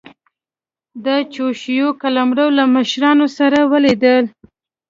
د چوشو قلمرو له مشرانو سره ولیدل.